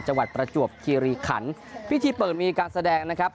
ประจวบคีรีขันพิธีเปิดมีการแสดงนะครับ